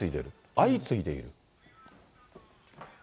相次いでいる？